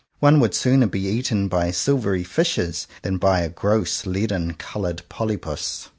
One would sooner be eaten by silvery fishes than by a gross leaden coloured polypus.